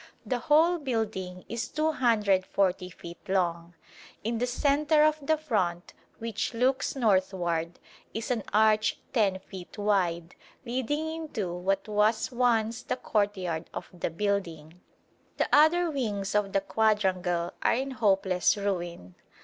The whole building is 240 feet long. In the centre of the front, which looks northward, is an arch 10 feet wide, leading into what was once the courtyard of the building. The other wings of the quadrangle are in hopeless ruin.